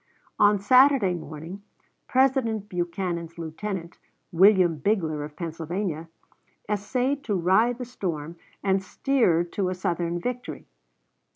On Saturday morning. President Buchanan's lieutenant, William Bigler, of Pennsylvania, essayed to ride the storm and steer to a Southern victory.